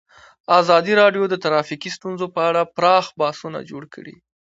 ازادي راډیو د ټرافیکي ستونزې په اړه پراخ بحثونه جوړ کړي.